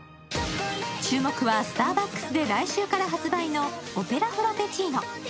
注目はスターバックスで来週発売のオペラフラペチーノ。